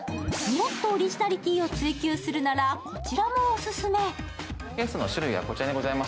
もっとオリジナリティーを追求するなら、こちらもオススメ。